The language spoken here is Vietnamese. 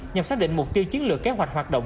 nhằm xác định mục tiêu chiến lược kế hoạch hoạt động